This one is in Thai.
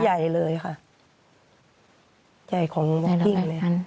ใหญ่เลยค่ะ